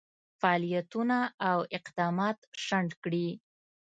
فعالیتونه او اقدامات شنډ کړي.